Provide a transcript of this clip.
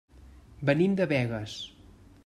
Venim de Begues.